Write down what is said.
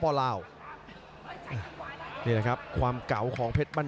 ศอกขวานี่เฉียบมาเจอศอกขวาสวนแทงด้วยซ้าย